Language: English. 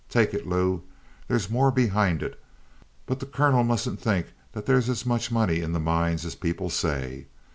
Take it, Lou. There's more behind it, but the colonel mustn't think that there's as much money in the mines as people say.